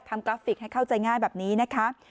กราฟิกให้เข้าใจง่ายแบบนี้นะคะ